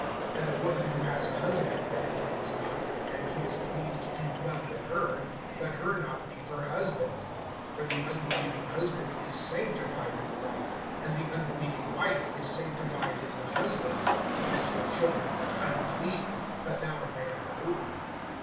(13)And a woman who has a husband that believes not, and he is pleased to dwell with her, let her not leave her husband. (14)For the unbelieving husband is sanctified in the wife, and the unbelieving wife is sanctified in the husband; else your children are unclean; but now they are holy.